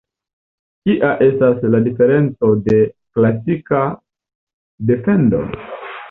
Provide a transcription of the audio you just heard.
Kia estas la diferenco de "klasika defendo"?